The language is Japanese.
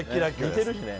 似てるしね。